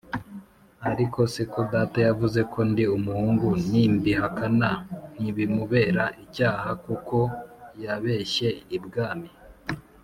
Ariko se ko data yavuze ko ndi umuhungu, nimbihakana ntibimubera icyaha kuko yabeshye ibwami?